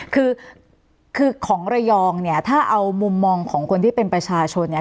คือคือของระยองเนี่ยถ้าเอามุมมองของคนที่เป็นประชาชนเนี่ย